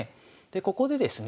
ここでですね